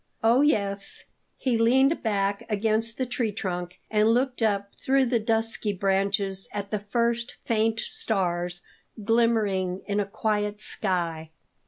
"Oh, yes!" He leaned back against the tree trunk and looked up through the dusky branches at the first faint stars glimmering in a quiet sky.